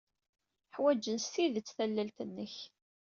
Ḥwajen s tidet tallalt-nnek.